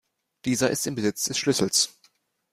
Dieser ist im Besitz des Schlüssels.